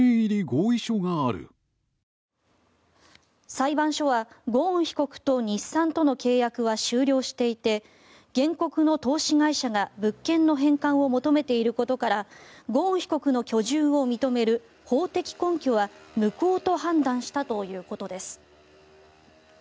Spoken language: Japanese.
裁判所は、ゴーン被告と日産との契約は終了していて原告の投資会社が物件の返還を求めていることからゴーン被告の居住を認める法的根拠は無効と判断したということです。